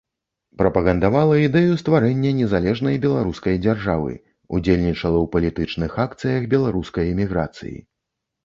Прапагандавала ідэю стварэння незалежнай беларускай дзяржавы, удзельнічала ў палітычных акцыях беларускай эміграцыі.